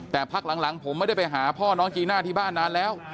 แต่พักหลังผมไม่ได้ไปหาพ่อน้องจีน่าที่บ้านนานแล้ว